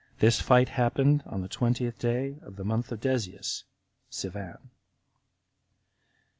This fight happened on the twentieth day of the month Desius [Sivan]. 30.